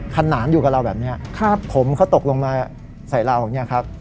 ขนานอยู่กับเราแบบนี้ผมเขาตกลงมาใส่เราอย่างนี้ครับ